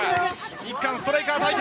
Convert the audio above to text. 日韓ストライカー対決。